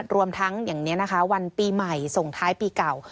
รวมทั้งอย่างนี้นะคะวันปีใหม่ส่งท้ายปีเก่า